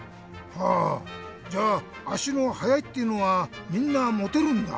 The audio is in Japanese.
はぁじゃああしのはやいっていうのはみんなモテるんだ？